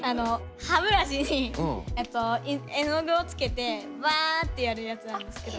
歯ブラシに絵の具をつけてバってやるやつなんですけど。